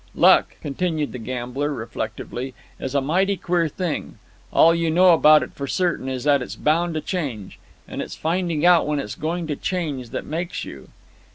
Luck," continued the gambler, reflectively, "is a mighty queer thing. All you know about it for certain is that it's bound to change. And it's finding out when it's going to change that makes you.